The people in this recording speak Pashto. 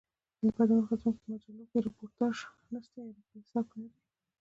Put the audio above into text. له بده مرغه زموږ په مجلوکښي راپورتاژ نسته یا په نه حساب دئ.